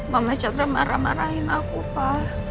mama chandra marah marahin aku pa